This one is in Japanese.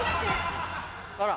あら。